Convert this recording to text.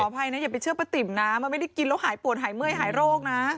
อภัยนะอย่าไปเชื่อป้าติ๋มนะมันไม่ได้กินแล้วหายปวดหายเมื่อยหายโรคนะ